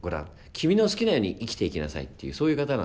君の好きなように生きていきなさい」っていうそういう方なんで。